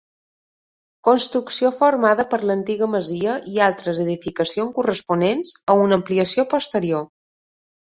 Construcció formada per l'antiga masia i altres edificacions corresponents a una ampliació posterior.